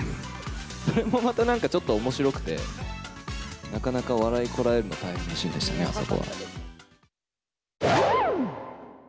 それもまたなんかちょっとおもしろくて、なかなか笑いこらえるの大変なシーンでしたね、あそこ。